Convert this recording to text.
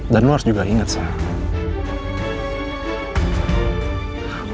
dan lu harus juga inget sah